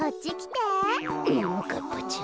ももかっぱちゃん